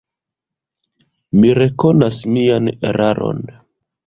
Mi rekonas mian eraron.